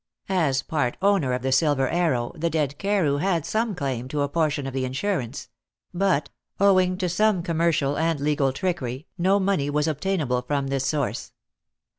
As part owner of the Silver Arrow, the dead Carew had some claim to a portion of the insurance; but, owing to some commercial and legal trickery, no money was obtainable from this source.